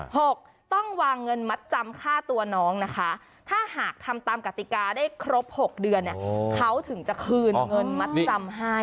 หกต้องวางเงินมัดจำค่าตัวน้องนะคะถ้าหากทำตามกติกาได้ครบหกเดือนเนี่ยเขาถึงจะคืนเงินมัดจำให้